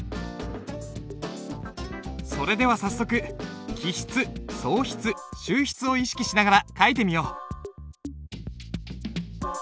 それでは早速起筆送筆収筆を意識しながら書いてみよう。